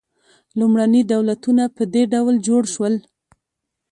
لومړني دولتونه په دې ډول جوړ شول.